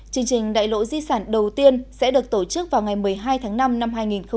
chương trình đại lộ di sản đầu tiên sẽ được tổ chức vào ngày một mươi hai tháng năm năm hai nghìn hai mươi